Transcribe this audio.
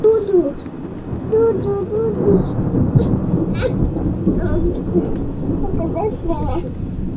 ছবিটায় মক্কেলদের ফাঁসির রায় ঘোষণার পরপর টিভিকে দেওয়া তাঁর সাক্ষাত্কারের ক্লিপ দেখি।